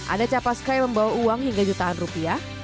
ada capaska yang membawa uang hingga jutaan rupiah